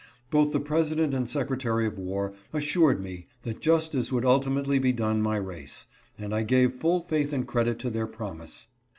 Both the President and Secretary of War assured me that justice would ultimately be done my race, and I gave full faith and credit to their promise.